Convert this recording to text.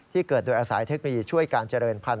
เกิดโดยอาศัยเทคโนโลยีช่วยการเจริญพันธ